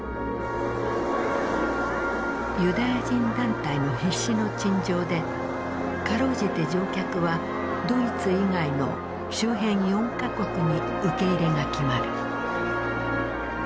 ユダヤ人団体の必死の陳情でかろうじて乗客はドイツ以外の周辺４か国に受け入れが決まる。